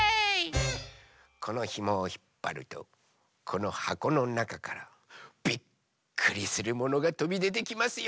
このひもをひっぱるとこのはこのなかからびっくりするものがとびでてきますよ！